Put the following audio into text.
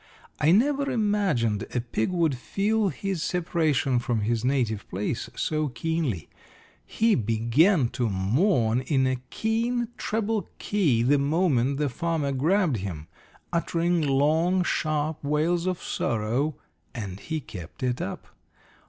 I never imagined a pig would feel his separation from his native place so keenly. He began to mourn in a keen treble key the moment the farmer grabbed him, uttering long, sharp wails of sorrow, and he kept it up.